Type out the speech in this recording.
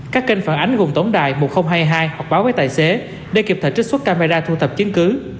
các kênh phản ánh gồm tổng đài một nghìn hai mươi hai hoặc báo với tài xế để kịp thời trích xuất camera thu thập chứng cứ